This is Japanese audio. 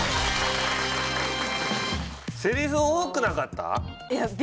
セリフ多くなかった？